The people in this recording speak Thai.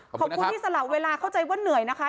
ขอบคุณที่สละเวลาเข้าใจว่าเหนื่อยนะคะ